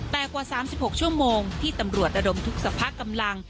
แต่กว่า๓๖ชั่วโมงที่ตำรวจระดมทุกสภากำลัง